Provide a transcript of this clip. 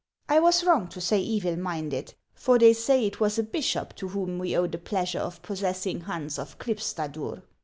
I was wrong to say evil minded, for they say it was a bishop to whom we owe the pleasure of possessing Hans of Klipstadur.